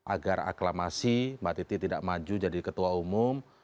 agar aklamasi mbak titi tidak maju jadi ketua umum